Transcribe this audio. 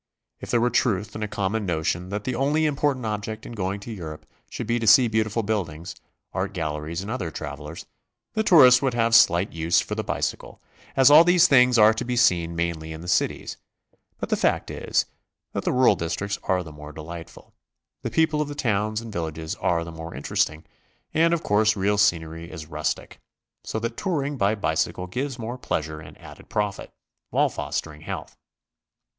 If there were truth in a common notion that the only important object in going to Europe should be to see beautiful buildings, art galleries, and other travelers, the tourist would have slight use for the bicycle, as all these things are to be seen mainly in the cities; but the fact is that the rural districts are the more delightful, the people of the towns and villages are the more interesting, and of course real scenery is rustic, so that tour ing by bicycle gives more pleasure and added profit, while fostering health.